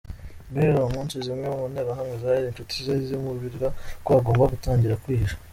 Guhera uwo munsi zimwe mu nterahamwe zari inshuti ze zimuburira ko agomba gutangira kwihisha.